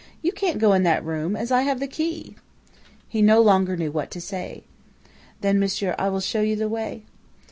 You can't go in that room, as I have the key!' "He no longer knew what to say. "'Then, monsieur, I will show you the way.'